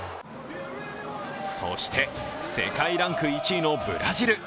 そして世界ランク１位のブラジル。